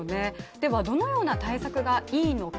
では、どのような対策がいいのか。